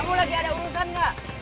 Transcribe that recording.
kamu lagi ada urusan gak